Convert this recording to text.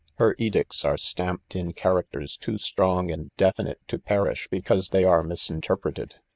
Her edicts are stamped in characters too strong and definite to perish because they 'are misinter preted.